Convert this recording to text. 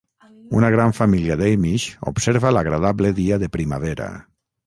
Una gran família d'Amish observa l'agradable dia de primavera